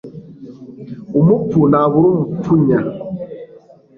umupfu ntabura umupfunya